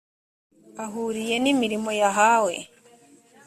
ahuriye n imirimo yahawe